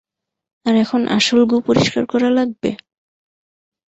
আর এখন আসল গু পরিষ্কার করা লাগবে?